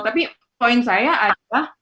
tapi poin saya adalah